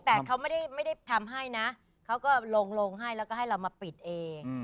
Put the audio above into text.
แต่เขาไม่ได้ทำให้นะเขาก็ลงให้แล้วก็ให้เรามาปิดเอง